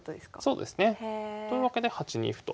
そうですね。というわけで８二歩と。